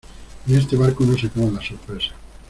en este barco no se acaban las sorpresas.